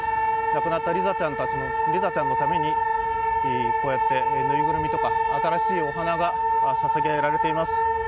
亡くなったリザちゃんのためにこうやってぬいぐるみとか新しいお花がささげられています。